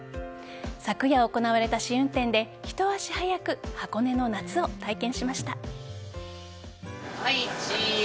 昨夜行われた試運転でひと足早く箱根の夏を体験しました。